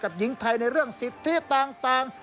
หญิงไทยในเรื่องสิทธิต่าง